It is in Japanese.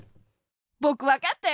ぼくわかったよ。